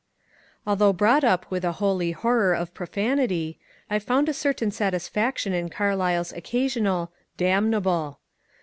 Although brought up with a holy horror of profanity, I found a certain satisfaction in Carlyle^s occasional damnable."